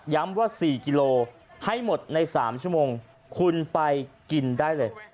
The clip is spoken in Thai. ว่า๔กิโลให้หมดใน๓ชั่วโมงคุณไปกินได้เลย